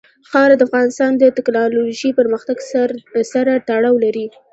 خاوره د افغانستان د تکنالوژۍ پرمختګ سره تړاو لري.